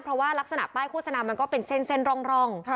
เพราะว่ารักษณะป้ายโฆษณามันก็เป็นเส้นร่อง